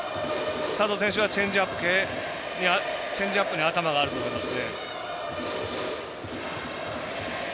佐藤選手はチェンジアップ系チェンジアップに頭があると思います。